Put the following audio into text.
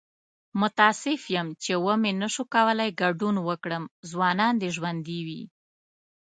متاسف یم چې و مې نشو کولی ګډون وکړم. ځوانان دې ژوندي وي!